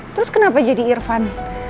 terus kenapa jadi irfan